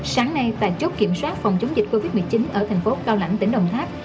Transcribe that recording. sáng nay tại chốt kiểm soát phòng chống dịch covid một mươi chín ở thành phố cao lãnh tỉnh đồng tháp